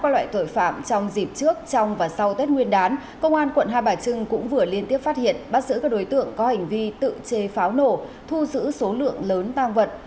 các loại tội phạm trong dịp trước trong và sau tết nguyên đán công an quận hai bà trưng cũng vừa liên tiếp phát hiện bắt giữ các đối tượng có hành vi tự chế pháo nổ thu giữ số lượng lớn tang vật